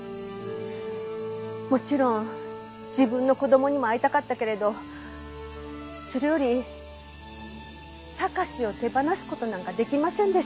もちろん自分の子供にも会いたかったけれどそれより貴史を手放す事なんかできませんでした。